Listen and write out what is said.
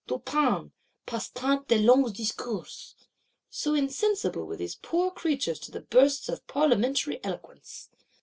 Du pain; pas tant de longs discours!'—So insensible were these poor creatures to bursts of Parliamentary eloquence!